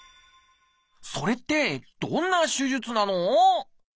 それってどんな手術なの？